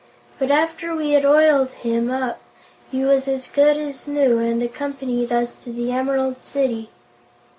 But after we had oiled him up, he was as good as new and accompanied us to the Emerald City."